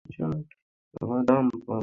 তারপর খোঁজ নিতে হবে সে ওর জন্য উপযুক্ত কিনা।